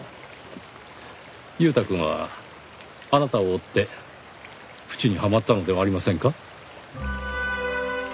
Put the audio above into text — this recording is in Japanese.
悠太くんはあなたを追って淵にはまったのではありませんか？